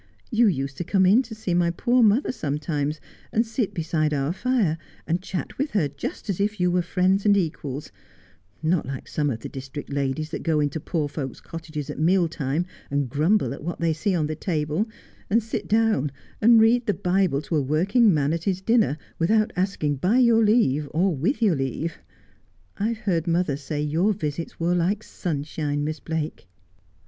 You used to come in to see my poor mother sometimes, and sit beside our fire and chat with her just as if you were friends and equals ; not like some of the district ladies that go into poor folks' cottages at meal time and grumble at what they see on the table, and sit down and read the Bible to a working man at his dinner without asking by your leave, or with your leave. I've heard mother say your visits were like sunshine, Miss Blake.'